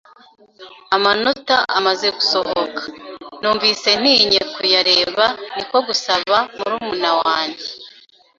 Amanota amaze gusohoka, numvise ntinye kuyareba ni ko gusaba murumuna wanjye